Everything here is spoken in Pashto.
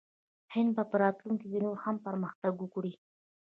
هند به په راتلونکي کې نور هم پرمختګ وکړي.